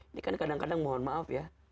ini kan kadang kadang mohon maaf ya